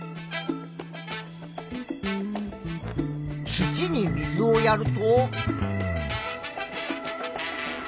土に水をやると。